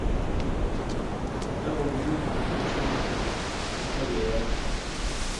Togo miy chechang che tegeyae